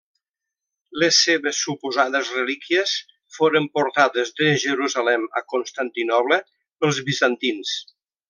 Les seves suposades relíquies foren portades de Jerusalem a Constantinoble pels bizantins.